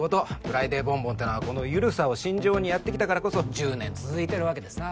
「フライデーボンボン」ってのはこの緩さを身上にやってきたからこそ１０年続いてるわけでさ。